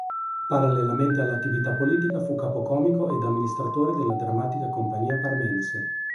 Parallelamente all'attività politica fu capocomico ed amministratore della Drammatica Compagnia Parmense.